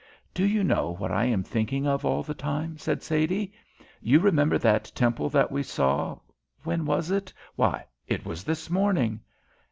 "Do you know what I am thinking of all the time?" said Sadie. "You remember that temple that we saw, when was it? Why, it was this morning."